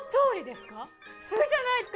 すごいじゃないですか。